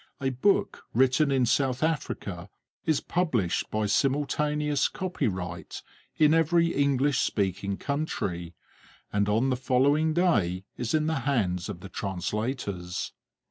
A book written in South Africa is published by simultaneous copyright in every English speaking country, and on the following day is in the hands of the translators.